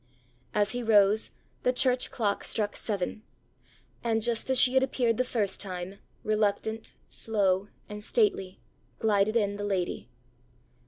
As he rose, the church clock struck seven; and, just as she had appeared the first time, reluctant, slow, and stately, glided in the lady.